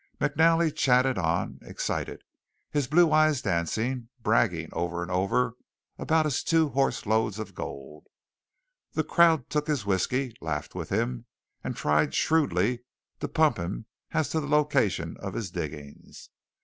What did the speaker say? McNally chattered on, excited, his blue eyes dancing, bragging over and over about his two horse loads of gold. The crowd took his whiskey, laughed with him, and tried shrewdly to pump him as to the location of his diggings.